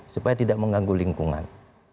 supaya tidak mengganggu lingkungan